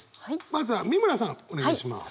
まずは美村さんお願いします。